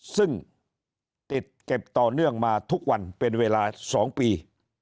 ซึ่งติดเก็บต่อเนื่องมาทุกวันเป็นเวลา๒ปี